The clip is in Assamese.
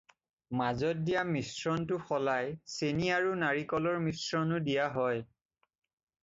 মাজত দিয়া মিশ্ৰণটো সলাই চেনী আৰু নাৰিকলৰ মিশ্ৰণো দিয়া হয়।